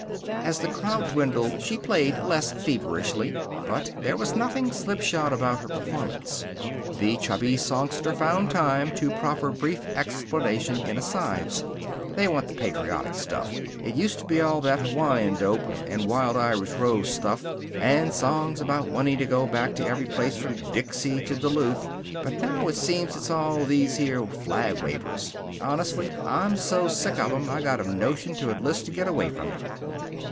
As the crowd dwindled she played less feverishly, but there was nothing slipshod about her performance. The chubby songster found time to proffer brief explanations in asides. "They want the patriotic stuff. It used to be all that Hawaiian dope, and Wild Irish Rose stuff, and songs about wanting to go back to every place from Dixie to Duluth. But now seems it's all these here flag wavers. Honestly, I'm so sick of 'em I got a notion to enlist to get away from it."